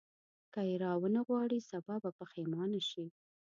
که یې راونه غواړې سبا به پښېمانه شې.